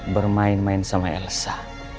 bermain main sama elsa